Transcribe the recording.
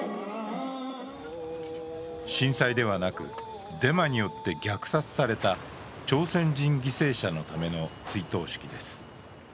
震災ではなくデマによって虐殺された朝鮮人犠牲者のための追悼式です。